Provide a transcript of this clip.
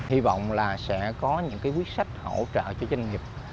hy vọng là sẽ có những quyết sách hỗ trợ cho doanh nghiệp